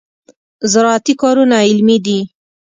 زراعتي کارونه علمي دي.